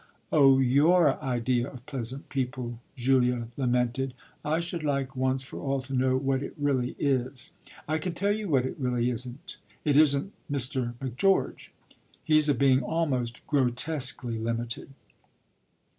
"Oh your idea of pleasant people!" Julia lamented. "I should like once for all to know what it really is." "I can tell you what it really isn't: it isn't Mr. Macgeorge. He's a being almost grotesquely limited."